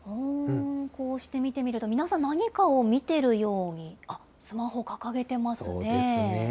こうして見てみると、皆さん、何かを見てるように、あっ、スマそうですね。